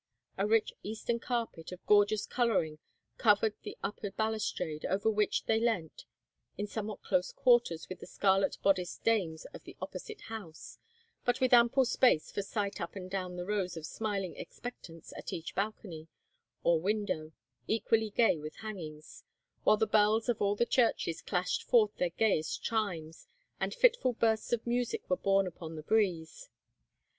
A rich Eastern carpet, of gorgeous colouring, covered the upper balustrade, over which they leant, in somewhat close quarters with the scarlet bodiced dames of the opposite house, but with ample space for sight up and down the rows of smiling expectants at each balcony, or window, equally gay with hangings, while the bells of all the churches clashed forth their gayest chimes, and fitful bursts of music were borne upon the breeze.